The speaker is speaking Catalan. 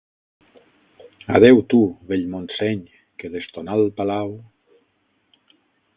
Adéu tu, vell Montseny, que des ton alt palau